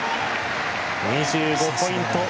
２５ポイント